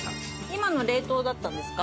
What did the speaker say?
今の冷凍だったんですか？